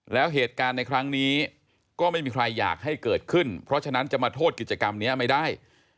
แล้วเหตุการณ์ในครั้งนี้ก็ไม่มีใครอยากให้เกิดขึ้นเพราะฉะนั้นจะมาโทษกิจกรรมนี้ไม่ได้